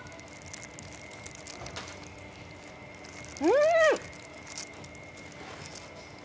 うん！